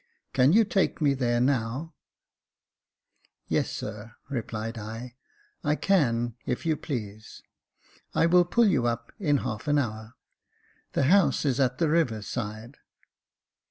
Can you take me there now ?"" Yes, sir," replied I, " I can, if you please ; I will pull you up in half an hour. The house is at the river's side."